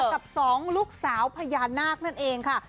กับสองลูกสาวพญานาคนั่นเองค่ะ